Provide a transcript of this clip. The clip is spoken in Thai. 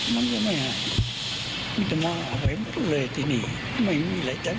มันเข้าไว้ยังไงก็ให้มันเอาไป